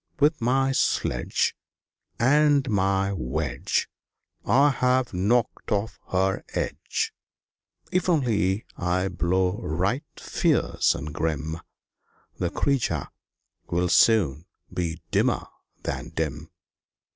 "With my sledge And my wedge I have knocked off her edge! If only I blow right fierce and grim, The creature will soon be dimmer than dim."